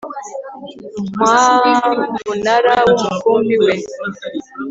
mk wa munara w umukumbi we